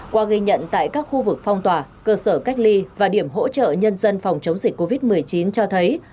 qua ghi nhận tại các khu vực phong tỏa cơ sở cách ly và điểm hỗ trợ nhân dân phòng chống dịch covid một mươi chín cho thấy